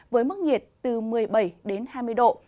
với mức nhiệt từ một mươi bảy đến hai mươi độ